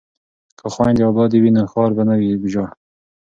که خویندې ابادې وي نو ښار به نه وي ویجاړ.